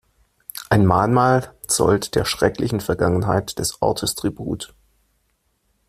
Ein Mahnmal zollt der schrecklichen Vergangenheit des Ortes Tribut.